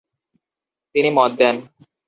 তিনি মত দেন।